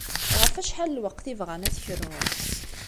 Ɣef acḥal n lweqt i bɣan ad t-krun?